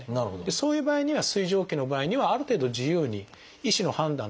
そういう場合には水蒸気の場合にはある程度自由に医師の判断でですね